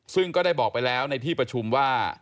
ซึ่งก็ได้บอกไปแล้วในที่ประชุมว่า